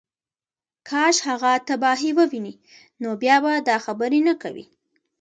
کاش هغه تباهۍ ووینې نو بیا به دا خبرې نه کوې